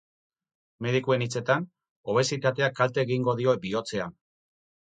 Medikuen hitzetan, obesitateak kalte egingo dio bihotzean.